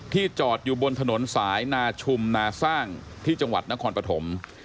จอดอยู่บนถนนสายนาชุมนาสร้างที่จังหวัดนครปฐม